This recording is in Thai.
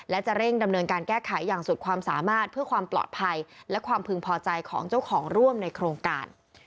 และจะเร่งดำเนินการแก้ไขอย่างสุดความสามารถเพื่อความปลอดภัยและความพึงพอใจของเจ้าของร่วมในโครงการ